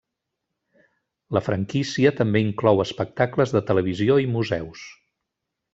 La franquícia també inclou espectacles de televisió i museus.